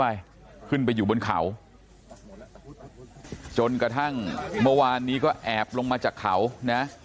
ไปขึ้นไปอยู่บนเขาจนกระทั่งเมื่อวานนี้ก็แอบลงมาจากเขานะ